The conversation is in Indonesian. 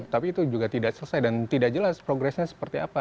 tapi itu juga tidak selesai dan tidak jelas progresnya seperti apa